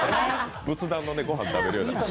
仏壇のご飯食べるような。